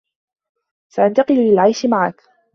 سأنتقل للعيش معك.